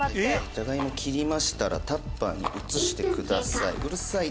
「じゃがいも切りましたらタッパーに移してください」